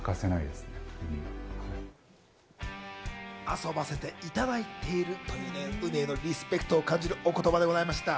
「遊ばせていただいている」という、自然へのリスペクトを感じるお言葉でした。